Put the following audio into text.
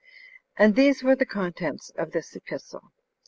4. And these were the contents of this epistle.